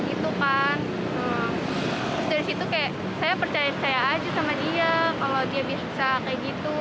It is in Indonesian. gitu kan terus dari situ kayak saya percaya saya aja sama dia kalau dia bisa kayak gitu